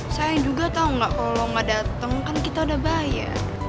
sayang juga tau gak kalo lo gak dateng kan kita udah bayar